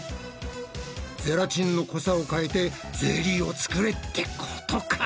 ゼラチンの濃さを変えてゼリーを作れってことか？